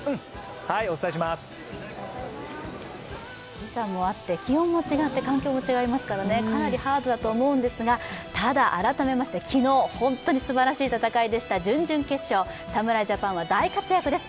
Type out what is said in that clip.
時差もあって気温も違って環境も違いますからかなりハードだと思うんですが、ただ、改めまして昨日、本当に素晴らしい戦いでした準々決勝、侍ジャパンは大活躍です。